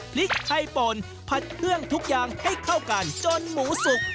พริกไทยป่นผัดเครื่องทุกอย่างให้เข้ากันจนหมูสุก